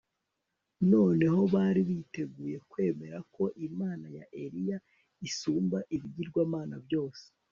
Noneho bari biteguye kwemera ko Imana ya Eliya isumba ibigirwamana byose